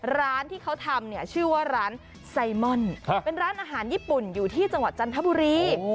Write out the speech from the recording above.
ร้านที่เขาทำเนี่ยชื่อว่าร้านไซมอนเป็นร้านอาหารญี่ปุ่นอยู่ที่จังหวัดจันทบุรี